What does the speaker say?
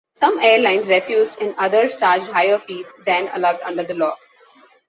Some airlines refused and others charged higher fees than allowed under the law.